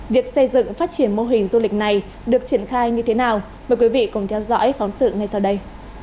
việc xây dựng phát triển mô hình du lịch này được triển khai như thế nào mời quý vị cùng theo dõi phóng sự ngay sau đây